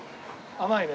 甘いね。